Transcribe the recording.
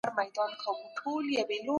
ابن خلدون د اسلامي نړۍ يوه مشهوره عالم دی؟